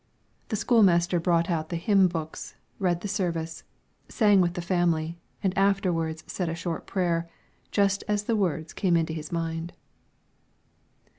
The school master brought out the hymn books, read the service, sang with the family, and afterwards said a short prayer, just as the words came into his mind.